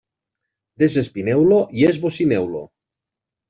Desespineu-lo i esbocineu-lo.